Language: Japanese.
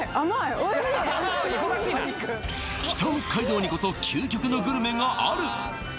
北海道にこそ究極のグルメがある３０００